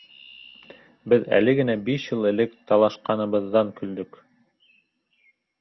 Беҙ әле генә биш йыл элек талашҡаныбыҙҙан көлдөк.